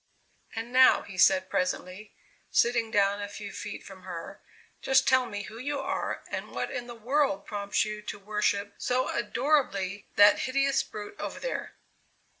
"And now," he said presently, sitting down a few feet from her, "just tell me who you are and what in the world prompts you to worship, so adorably, that hideous brute over there?"